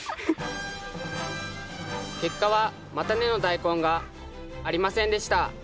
結果は叉根のダイコンがありませんでした。